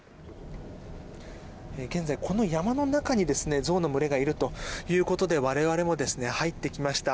現在、この山の中にゾウの群れがいるということで我々も入ってきました。